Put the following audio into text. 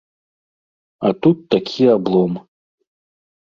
А тут такі аблом.